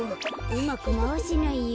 うまくまわせないよ。